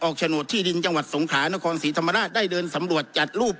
โฉนดที่ดินจังหวัดสงขลานครศรีธรรมราชได้เดินสำรวจจัดรูป